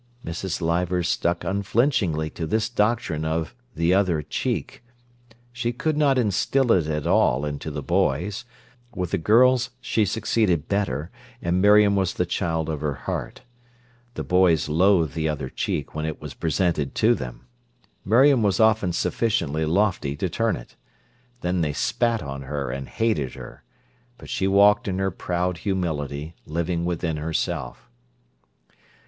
Mrs. Leivers stuck unflinchingly to this doctrine of "the other cheek". She could not instil it at all into the boys. With the girls she succeeded better, and Miriam was the child of her heart. The boys loathed the other cheek when it was presented to them. Miriam was often sufficiently lofty to turn it. Then they spat on her and hated her. But she walked in her proud humility, living within herself.